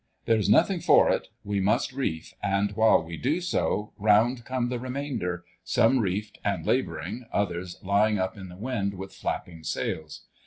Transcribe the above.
There's nothing for it: we must reef, and while we do so, round come the remainder, some reefed and labouring, others lying up in the wind with flapping sails.